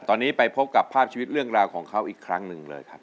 ตอนนี้ไปพบกับภาพชีวิตเรื่องราวของเขาอีกครั้งหนึ่งเลยครับ